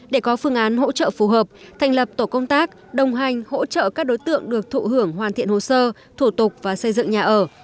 để có phương án hỗ trợ phù hợp thành lập tổ công tác đồng hành hỗ trợ các đối tượng được thụ hưởng hoàn thiện hồ sơ thủ tục và xây dựng nhà ở